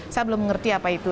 saya belum mengerti apa itu